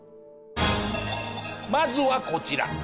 まずはこちら。